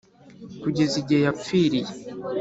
kugeza igihe yapfiriye